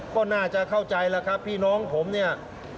ก็น่าจะเข้าใจแล้วครับพี่น้องผมเนี่ย